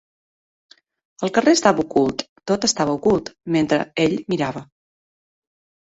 El carrer estava ocult, tot estava ocult, mentre ell mirava.